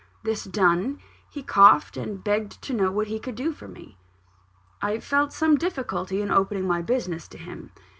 This done, he coughed, and begged to know what he could do for me. I felt some difficulty in opening my business to him.